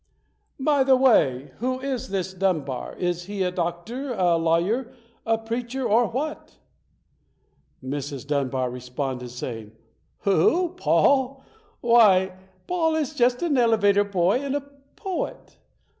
"By the way, who is this Dunbar? Is he a doctor, a lawyer, a preacher, or what?" Mrs. Dunbar responded, saying, "Who? Paul? 48 ] UNSUNG HEROES Why, Paul is just an elevator boy and a a poet".